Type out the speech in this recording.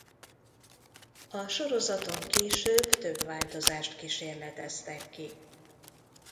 A sorozaton később több változást kísérleteztek ki.